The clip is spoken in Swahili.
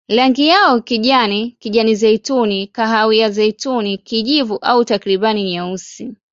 Rangi yao kijani, kijani-zeituni, kahawia-zeituni, kijivu au takriban nyeusi.